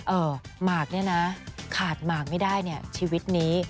หมากเนี่ยนะขาดหมากไม่ได้เนี่ยชีวิตนี้